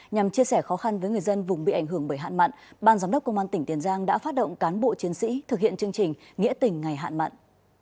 nhằm chia sẻ khó khăn với người dân vùng bị ảnh hưởng bởi hạn mặn ban giám đốc công an tỉnh tiền giang đã phát động cán bộ chiến sĩ thực hiện chương trình nghĩa tỉnh ngày hạn mặn